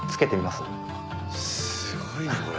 すごいなこれ。